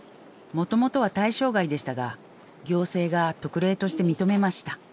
もともとは対象外でしたが行政が特例として認めました。